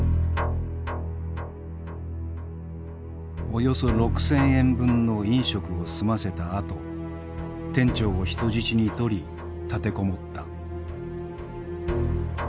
およそ６，０００円分の飲食を済ませたあと店長を人質に取り立てこもった。